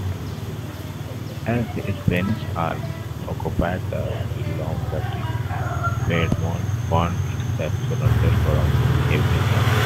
As the Spanish armies occupied Lombardy, Piedmont found itself surrounded from every side.